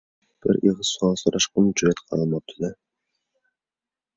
بىر ئېغىز سوئال سوراشقىمۇ جۈرئەت قىلالماپتۇ-دە.